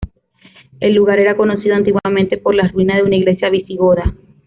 El lugar era conocido antiguamente por las ruinas de una iglesia visigoda.